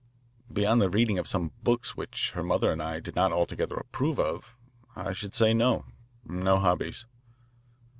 "Beyond the reading of some books which her mother and I did not altogether approve of, I should say no no hobbies."